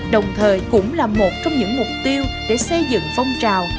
đồng thời cũng là một trong những mục tiêu để xây dựng phong trào